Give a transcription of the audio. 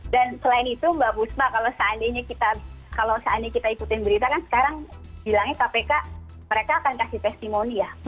dan selain itu mbak busma kalau seandainya kita ikutin berita kan sekarang bilangnya kpk mereka akan kasih testimoni ya